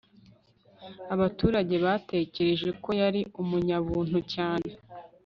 Abaturage batekereje ko yari umunyabuntu cyane